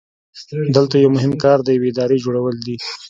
دلته یو مهم کار د یوې ادارې جوړول دي.